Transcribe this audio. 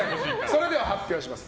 それでは発表します。